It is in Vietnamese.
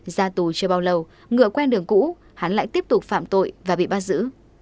ra tù chưa bao lâu ngựa quen đường cũ hắn lại tiếp tục phạm tội và bị bắt giữ